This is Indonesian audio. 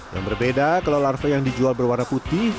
yang berbeda kalau larva yang dijual berwarna putih